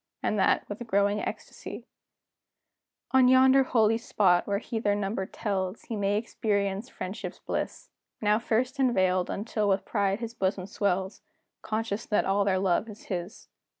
And that, with growing ecstacy, On yonder holy spot, when he their number tells, He may experience friendship's bliss, Now first unveiled, until with pride his bosom swells, Conscious that all their love is his.